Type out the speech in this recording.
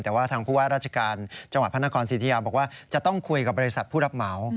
แต่ว่าทางผู้ว่าราชการจังหวัดพระนครสิทธิยาบอกว่าจะต้องคุยกับบริษัทผู้รับเหมา